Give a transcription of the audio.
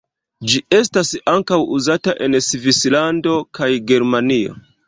Ĝi estas ankaŭ uzata en Svislando kaj Germanio.